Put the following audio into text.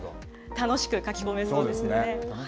楽しく書き込めそうですね。